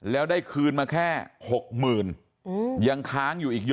แล้วได้คืนมาแค่๖๐๐๐ยังค้างอยู่อีกเยอะ